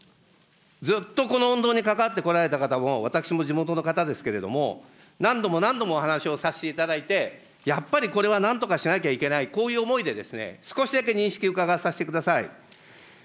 ずっとこの運動に関わってこられた方も、私の地元の方ですけれども、何度も何度もお話をさせていただいて、やっぱりこれはなんとかしなきゃいけない、こういう思いで、少しだけ認識を伺わさせてください。